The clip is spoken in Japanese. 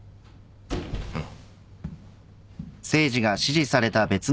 うん。